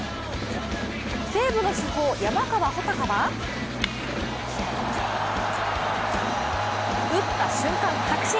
西武の主砲・山川穂高は打った瞬間確信。